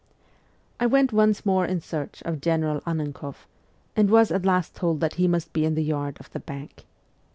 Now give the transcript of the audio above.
I went once more in search of General Annenkoff, and was at last told that he must be in the yard of the Bank.